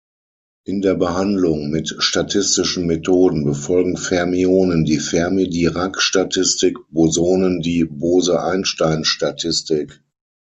In der Behandlung mit statistischen Methoden befolgen Fermionen die Fermi-Dirac-Statistik, Bosonen die Bose-Einstein-Statistik.